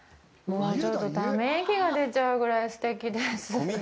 もう、ちょっとため息が出ちゃうぐらいすてきです。